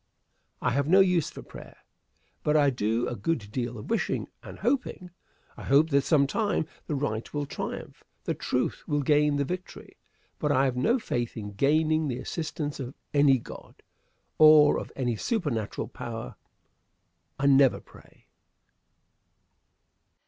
I have no use for prayer; but I do a good deal of wishing and hoping. I hope that some time the right will triumph that Truth will gain the victory; but I have no faith in gaining the assistance of any god, or of any supernatural power. I never pray.